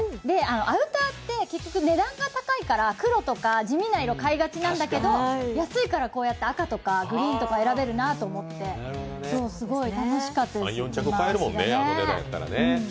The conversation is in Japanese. アウターって結局値段が高いから黒とか地味な色を買いがちなんだけど、安いから赤とかグリーンとか選べるなって思ってすごい楽しかったです、着回しがね